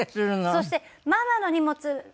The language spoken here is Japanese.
そしてママの荷物